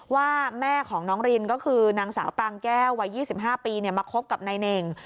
ว่าแม่ของน้องรินก็คือนางสาวปรางแก้ววัย๒๕ปีมาคบกับนายเน่ง